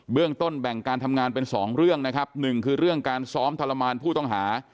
เรื่องต้นแบ่งการทำงานเป็นสองเรื่องนะครับหนึ่งคือเรื่องการซ้อมทรมานผู้ต้องหา